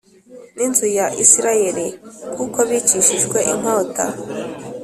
n inzu ya Isirayeli kuko bicishijwe inkota